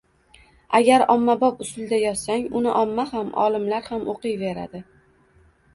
Agar ommabop usulda yozsang, uni omma ham, olimlar ham o‘qiyveradi.